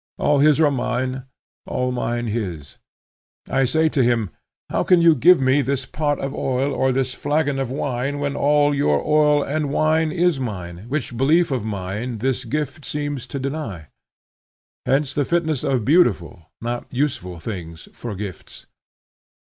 All his are mine, all mine his. I say to him, How can you give me this pot of oil or this flagon of wine when all your oil and wine is mine, which belief of mine this gift seems to deny? Hence the fitness of beautiful, not useful things, for gifts.